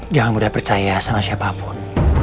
jangan mudah percaya sama siapapun